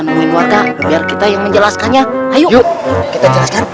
jelasin wakil kita yang menjelaskannya ayo kita